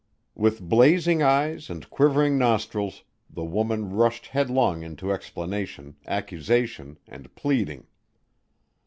With blazing eyes and quivering nostrils, the woman rushed headlong into explanation, accusation and pleading.